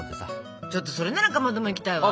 ちょっとそれならかまども行きたいわ！